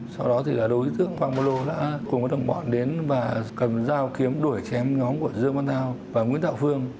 sau đó thì là đối tượng quang mô lô lô đã cùng với đồng bọn đến và cầm dao kiếm đuổi chém nhóm của dương văn thao và nguyễn đạo phương